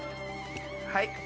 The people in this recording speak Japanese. はい。